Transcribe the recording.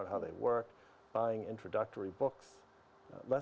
kita berikan karakteristik